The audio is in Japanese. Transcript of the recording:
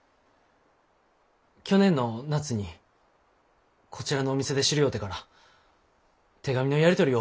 去年の夏にこちらのお店で知り合うてから手紙のやり取りをしょおりました。